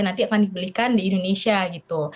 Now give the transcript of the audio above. nanti akan dibelikan di indonesia gitu